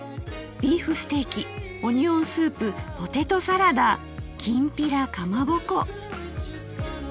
「ビーフステーキオニオンスープポテトサラダきんぴらかまぼこ」